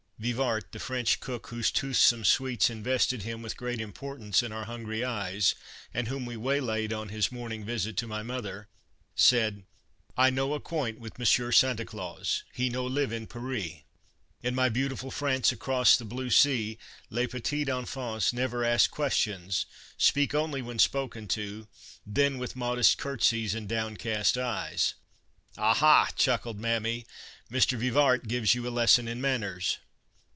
Vivart, the French cook, whose toothsome sweets invested him with great importance in our hungry eyes and whom we waylaid on his morning visit to my mother, said :" 1 no acquaint with Monsieur Sancta Claus ; he no live in Paris. In my beautiful France across the blue sea les petits enfans never ask questions, speak only when spoken to, then with modest curtsies and downcast eyes." " Ah, ha !" chuckled Mammy, " Mr. Vivart gives you a lesson in manners."